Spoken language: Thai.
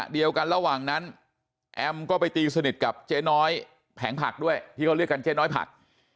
เดียวกันระหว่างนั้นแอมก็ไปตีสนิทกับเจ๊น้อยแผงผักด้วยที่เขาเรียกกันเจ๊น้อยผัก